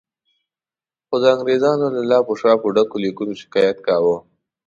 خو د انګریزانو له لاپو شاپو ډکو لیکونو شکایت کاوه.